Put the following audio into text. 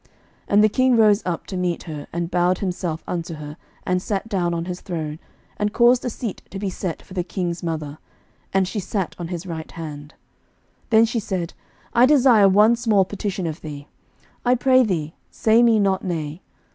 And the king rose up to meet her, and bowed himself unto her, and sat down on his throne, and caused a seat to be set for the king's mother; and she sat on his right hand. 11:002:020 Then she said, I desire one small petition of thee; I pray thee, say me not nay.